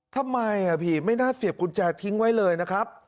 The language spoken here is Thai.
ทำไมพี่ไม่น่าเสียบกุญแจทิ้งไว้เลยนะครับ